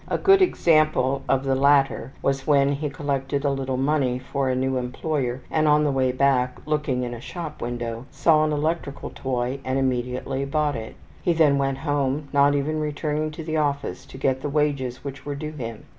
A good example of the latter was when he collected a little money for a new employer and on the way back, looking in a shop window, saw an electrical toy and immediately bought it. He then went home, not even returning to the office to get the wages which were due him.